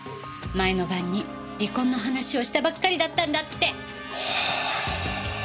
前の晩に離婚の話をしたばっかりだったんだって！はあぁ！！